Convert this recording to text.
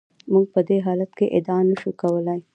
موږ په دې حالت کې ادعا نشو کولای.